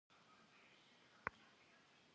Akhıl zerız zimı'e şı'erkhım.